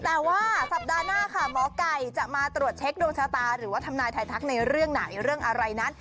แต่ว่าสัปดาห์หน้าค่ะหมอไก่จะมาตรวจเช็คดวงชะตาหรือว่าทำนายไทยทักในเรื่องไหนเรื่องอะไรนั้น